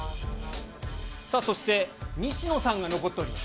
そして、西野さんが残っております。